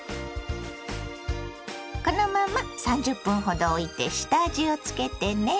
このまま３０分ほどおいて下味をつけてね。